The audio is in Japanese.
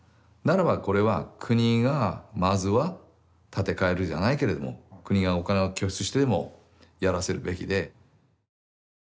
ならばこれは国がまずは立て替えるじゃないけれども国がお金を拠出してでもやらせるべきで。